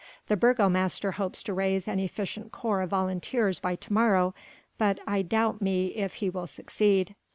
The burgomaster hopes to raise an efficient corps of volunteers by to morrow ... but I doubt me if he will succeed....